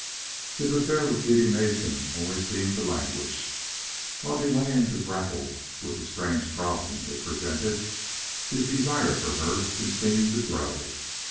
His affair with Dede Mason only seemed to languish. While delaying to grapple with the strange problem it presented, his desire for her continued to grow.